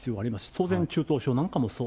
当然、中等症なんかもそう。